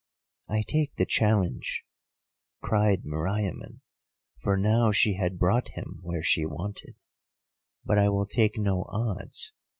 "'I take the challenge,' cried Meriamun, for now she had brought him where she wanted; 'but I will take no odds.